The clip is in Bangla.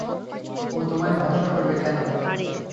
ও তোমায় ভরসা করবে কেন?